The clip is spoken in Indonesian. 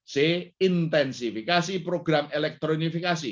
c intensifikasi program elektronifikasi